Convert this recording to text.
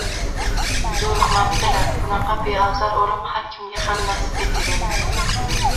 zoriqmabdilar... Bunaqa beozor o'lim har kimga ham nasib etavermaydi.